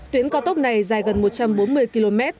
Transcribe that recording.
tuyến cao tốc này dài gần một trăm bốn mươi km